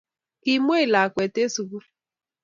Kimwei lakwet eng sugul